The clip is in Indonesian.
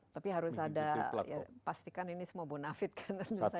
tapi harus ada ya pastikan ini semua bonafit kan tentu saja